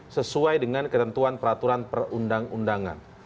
sesuai dengan ketentuan peraturan perundang undangan